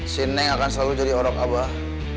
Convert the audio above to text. si neng akan selalu jadi orok abah